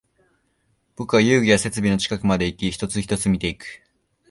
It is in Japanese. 僕は遊具や設備の近くまでいき、一つ、一つ見ていく